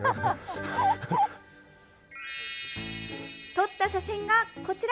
撮った写真が、こちら！